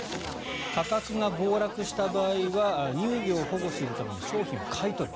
価格が暴落した場合は乳業を保護するために商品を買い取る。